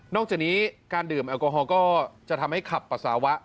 จากนี้การดื่มแอลกอฮอลก็จะทำให้ขับปัสสาวะ